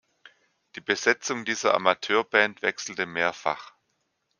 Die Besetzung dieser Amateurband wechselte mehrfach.